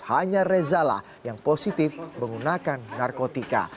hanya reza lah yang positif menggunakan narkotika